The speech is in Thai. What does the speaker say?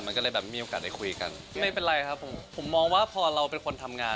มันก็เลยแบบมีโอกาสได้คุยกันไม่เป็นไรครับผมผมมองว่าพอเราเป็นคนทำงาน